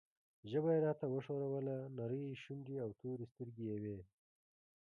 ژبه یې راته وښوروله، نرۍ شونډې او تورې سترګې یې وې.